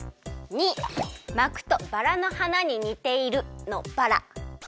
②まくとバラのはなににているのバラ。